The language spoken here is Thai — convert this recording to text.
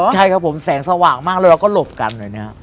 ใช่ครับผมแสงสว่างมากแล้วเราก็หลบกัน